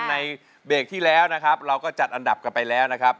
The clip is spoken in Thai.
ในเบรกที่แล้วนะครับเราก็จัดอันดับกันไปแล้วนะครับ